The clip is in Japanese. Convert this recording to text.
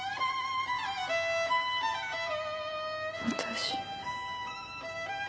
私。